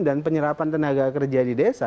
penyerapan tenaga kerja di desa